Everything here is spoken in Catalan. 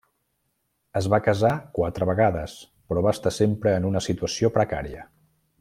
Es va casar quatre vegades, però va estar sempre en una situació precària.